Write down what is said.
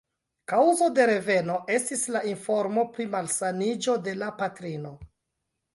Kaŭzo de reveno estis la informo pri malsaniĝo de la patrino.